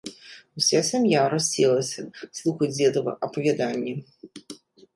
Уся сям'я расселася слухаць дзедава апавяданне.